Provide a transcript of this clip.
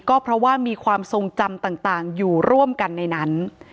ก็เพราะว่ามีความทรงจำต่างอยู่ร่วมกันในนั้น